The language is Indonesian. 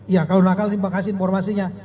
ya kalau nakal terima kasih informasinya